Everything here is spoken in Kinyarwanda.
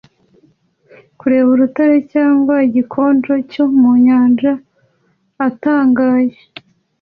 kureba ku rutare cyangwa igikonjo cyo mu nyanja atangaye